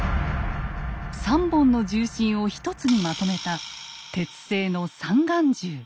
３本の銃身を一つにまとめた鉄製の三眼銃。